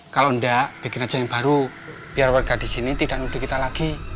kalau enggak bikin aja yang baru biar warga di sini tidak nunduk kita lagi